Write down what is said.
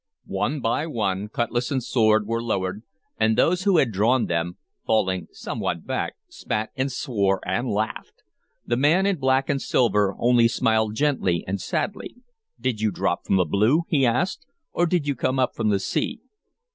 One by one cutlass and sword were lowered, and those who had drawn them, falling somewhat back, spat and swore and laughed. The man in black and silver only smiled gently and sadly. "Did you drop from the blue?" he asked. "Or did you come up from the sea?"